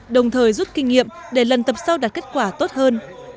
đồng thời rút kinh nghiệm để lần tập sau đạt kết quả tốt hơn